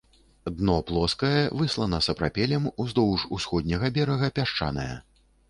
Дно плоскае, выслана сапрапелем, уздоўж усходняга берага пясчанае.